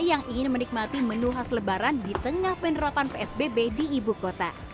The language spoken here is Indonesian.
yang ingin menikmati menu khas lebaran di tengah penerapan psbb di ibu kota